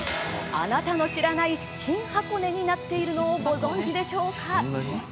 あなたの知らないシン・ハコネになっているのをご存じでしょうか？